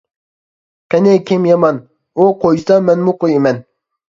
قېنى كىم يامان؟ ئۇ قويسا مەنمۇ قويىمەن.